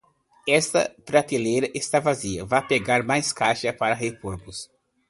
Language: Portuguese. Está prateleira está vazia, vá pegar mais caixas para repormos.